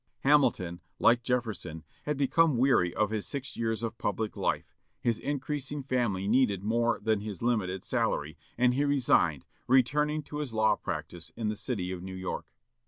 Hamilton, like Jefferson, had become weary of his six years of public life; his increasing family needed more than his limited salary, and he resigned, returning to his law practice in the city of New York.